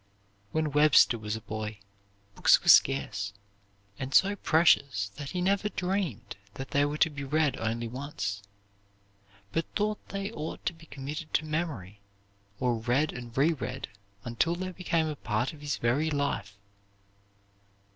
When Webster was a boy, books were scarce, and so precious that he never dreamed that they were to be read only once, but thought they ought to be committed to memory, or read and re read until they became a part of his very life.